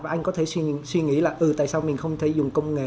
và anh có thể suy nghĩ là tại sao mình không thể dùng công nghệ